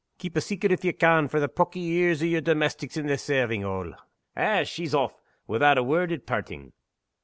Keep a secret if ye can frae the pawky ears o' yer domestics in the servants' hall! Eh! she's aff, without a word at parting!"